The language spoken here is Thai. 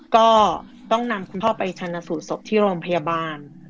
ก็ต้องนำคุณพ่อไปชนะสูตรศพที่โรงพยาบาล